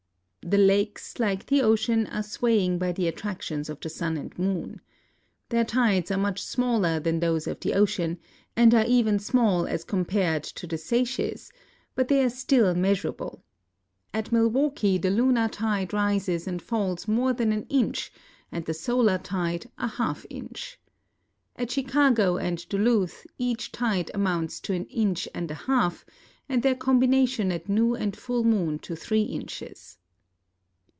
'J'he lakes, like tlie ocean, are swayed by the attractions of the sun and moon. Their tides are much smaller than those of the ocean, and are even small as compared to the seiches, l)Ut they are still measural)le. At Milwaukee the lunar tide rises and falls more than an inch and the solar tide a half inch. At Ciiicago and Duluth each tide amounts to an inch and a half, and their combination at nmv and full moon to tliree inches.